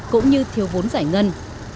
cũng như thiếu vốn giải ngân